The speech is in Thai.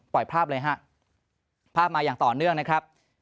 ภาพเลยฮะภาพมาอย่างต่อเนื่องนะครับ